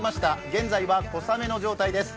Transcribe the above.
現在は小雨の状態です。